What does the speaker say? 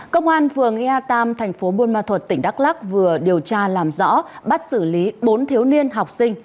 công an phường ea tam tp bunma thuật tỉnh đắk lắc vừa điều tra làm rõ bắt xử lý bốn thiếu niên học sinh